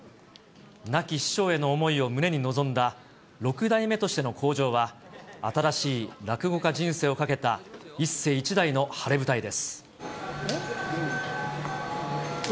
亡き師匠への思いを胸に臨んだ、六代目としての口上は、新しい落語家人生を懸けた一世一代の晴れ舞台です。